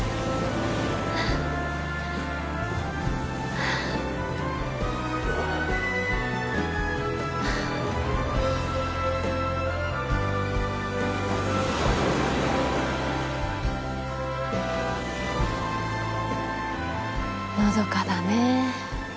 はあのどかだね